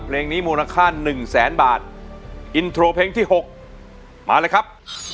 เพลงนี้มูลค่าหนึ่งแสนบาทอินโทรเพลงที่๖มาเลยครับ